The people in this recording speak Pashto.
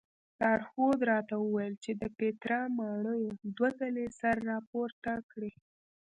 لارښود راته وویل چې د پیترا ماڼیو دوه ځلې سر راپورته کړی.